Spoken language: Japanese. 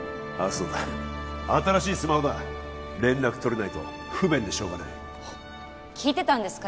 そうだ新しいスマホだ連絡取れないと不便でしょうがない聞いてたんですか？